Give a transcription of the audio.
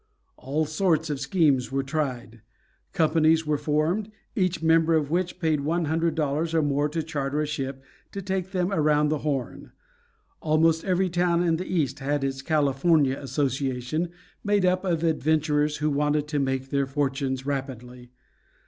All sorts of schemes were tried. Companies were formed, each member of which paid one hundred dollars or more to charter a ship to take them around the Horn. Almost every town in the East had its California Association, made up of adventurers who wanted to make their fortunes rapidly.